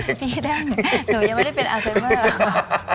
พี่ดังหนูยังไม่ได้เป็นอัลไซเมอร์